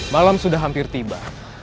malam sudah hampir tiba